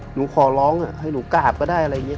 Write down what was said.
หนูขอร้องให้หนูกราบก็ได้อะไรอย่างนี้